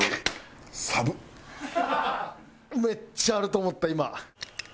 めっちゃあると思った今。